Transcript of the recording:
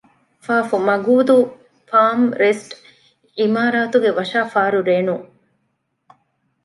ފ. މަގޫދޫ ޕާމްރެސްޓް ޢިމާރާތުގެ ވަށާފާރު ރޭނުން